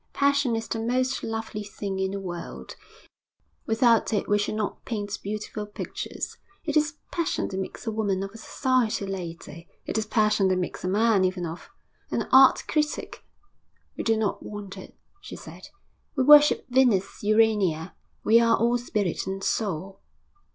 Passion is the most lovely thing in the world; without it we should not paint beautiful pictures. It is passion that makes a woman of a society lady; it is passion that makes a man even of an art critic.' 'We do not want it,' she said. 'We worship Venus Urania. We are all spirit and soul.'